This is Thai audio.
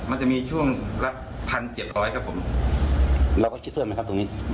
มันจะมีช่วงระดับพันเจ็บร้อยครับผมเราก็ชิดเพิ่มนะครับ